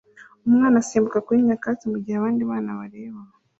Umwana asimbuka kuri nyakatsi mugihe abandi bana bareba